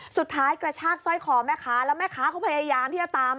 สุดท้ายกระชากซ่อยคอแม่ค้าแล้วเขาพยายามมักตาม